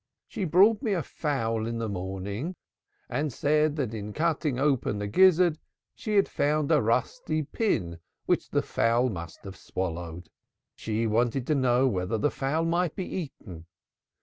She brought me a fowl in the morning and said that in cutting open the gizzard she had found a rusty pin which the fowl must have swallowed. She wanted to know whether the fowl might be eaten.